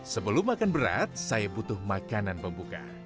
sebelum makan berat saya butuh makanan pembuka